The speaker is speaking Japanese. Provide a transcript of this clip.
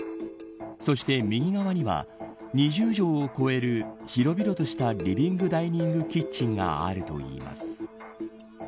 そして、右側には２０畳を超える広々としたリビングダイニングキッチンがあるといいます。